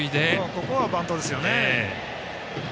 ここはバントですよね。